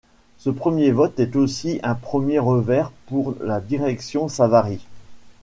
Ce premier vote est aussi un premier revers pour la direction Savary.